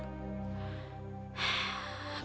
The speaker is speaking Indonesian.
kalau biaya rumah sakit ini besar